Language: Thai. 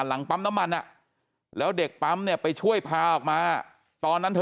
หลังปั๊มน้ำมันอ่ะแล้วเด็กปั๊มเนี่ยไปช่วยพาออกมาตอนนั้นเธอ